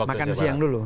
makan siang dulu